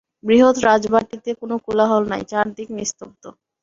বৃহৎ রাজবাটীতে কোনো কোলাহল নাই, চারিদিক নিস্তব্ধ।